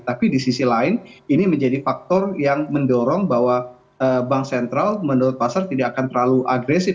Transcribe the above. tapi di sisi lain ini menjadi faktor yang mendorong bahwa bank sentral menurut pasar tidak akan terlalu agresif